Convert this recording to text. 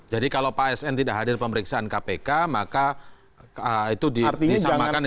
jadi kalau pak sn tidak hadir pemeriksaan kpk maka itu disamakan dengan